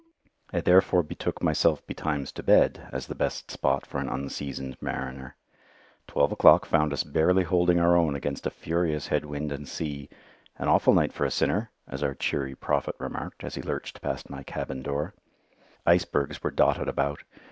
I therefore betook myself betimes to bed as the best spot for an unseasoned mariner. Twelve o'clock found us barely holding our own against a furious head wind and sea "An awful night for a sinner," as our cheery Prophet remarked as he lurched past my cabin door. Icebergs were dotted about.